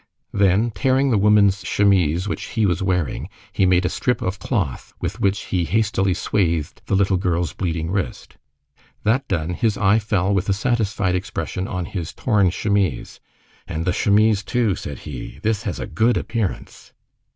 Then tearing the woman's chemise which he was wearing, he made a strip of cloth with which he hastily swathed the little girl's bleeding wrist. That done, his eye fell with a satisfied expression on his torn chemise. "And the chemise too," said he, "this has a good appearance."